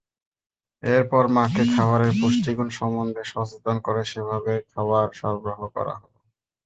এরপর মাকে খাবারের পুষ্টিগুণ সম্বন্ধে সচেতন করে সেভাবে খাবার সরবরাহ করা হলো।